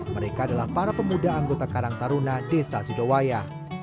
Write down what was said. mereka adalah para pemuda anggota karang taruna desa sidowaya